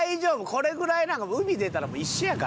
これぐらい海出たら一緒やから。